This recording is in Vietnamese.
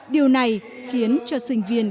điều này khiến cho sinh viên